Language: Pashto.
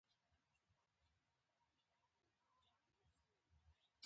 زه د تفریح ځایونو ته ځم.